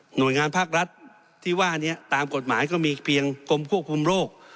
หน่วยงานภาครัฐที่ว่านี้ตามกฎหมายก็มีเพียงกรมควบคุมโรค